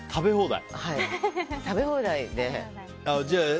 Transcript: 食べ放題。